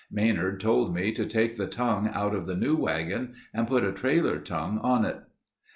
Maynard told me to take the tongue out of the new wagon and put a trailer tongue in it.